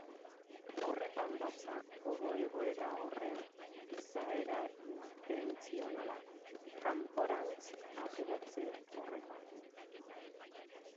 Horretan datza gogo-egoera horren izaera intentzionala, kanporantz ateratze horretan.